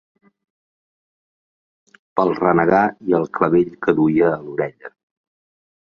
...pel renegar i el clavell que duia a l'orella